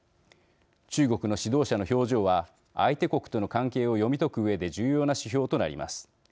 中国の指導者の表情は相手国との関係を読み解くうえで重要な指標となります。